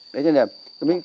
đấy cho nên là